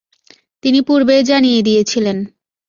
তিনি পূর্বেই জানিয়ে দিয়েছিলেন।